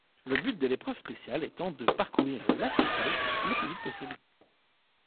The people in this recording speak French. Le but de l’épreuve spéciale étant de parcourir la spéciale le plus vite possible.